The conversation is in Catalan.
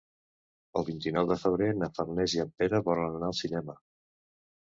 El vint-i-nou de febrer na Farners i en Pere volen anar al cinema.